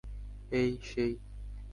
এই, সেই!